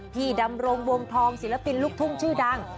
ดำรงวงทองศิลปินลูกทุ่งชื่อดัง